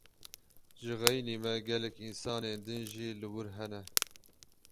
Ji xeynî me gelek însanên din jî li wir hene.